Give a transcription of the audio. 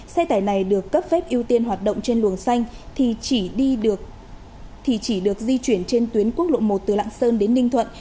xe tải này được cấp phép ưu tiên hoạt động trên luồng xanh thì chỉ được di chuyển trên tuyến quốc lộ một từ lạng sơn đến ninh thuận